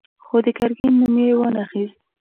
خو د ګرګين نوم يې وانه خيست.